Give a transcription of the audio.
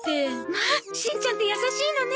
まあしんちゃんって優しいのね。